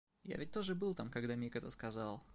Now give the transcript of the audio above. Я ведь тоже был там, когда Мик это сказал.